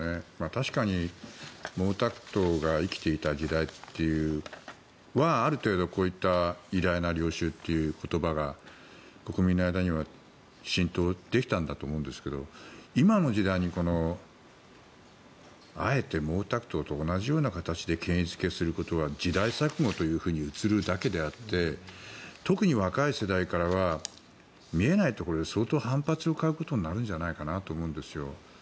確かに毛沢東が生きていた時代はある程度、こういった偉大な領袖という言葉が国民の間には浸透できたんだと思うんですが今の時代にあえて毛沢東と同じような形で権威付けすることは時代錯誤と映るだけであって特に若い世代からは見えないところで相当反発を買うことになるんじゃないかなと思うんですよ。